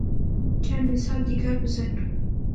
چند مثال دیگر بزن.